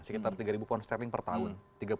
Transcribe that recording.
sekitar tiga pound sterling per tahun